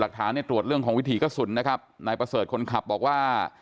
ฐานเนี่ยตรวจเรื่องของวิถีกระสุนนะครับนายประเสริฐคนขับบอกว่า